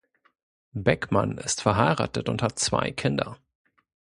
Beckmann ist verheiratet und hat zwei Kinder.